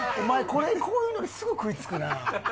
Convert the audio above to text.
これこういうのにすぐ食いつくな。